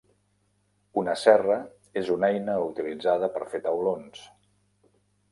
Una serra és una eina utilitzada per fer taulons.